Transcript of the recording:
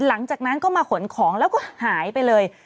หลังจากนั้นก็มาขนของแล้วก็หายไปเลย